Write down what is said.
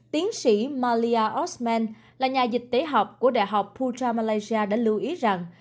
tiến sĩ malia osman là nhà dịch tế học của đại học putra malaysia đã lưu ý rằng